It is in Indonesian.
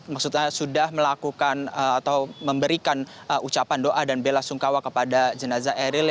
maksudnya sudah melakukan atau memberikan ucapan doa dan bela sungkawa kepada jenazah eril